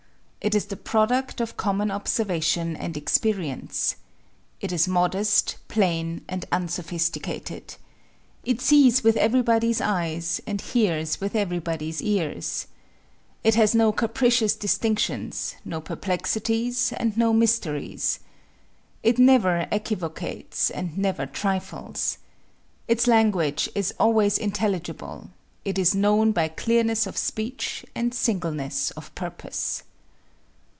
It is the product of common observation and experience. It is modest, plain, and unsophisticated. It sees with everybody's eyes, and hears with everybody's ears. It has no capricious distinctions, no perplexities, and no mysteries. It never equivocates, and never trifles. Its language is always intelligible. It is known by clearness of speech and singleness of purpose.